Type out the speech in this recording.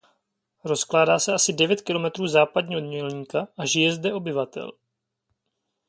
Rozkládá se asi devět kilometrů západně od Mělníka a žije zde obyvatel.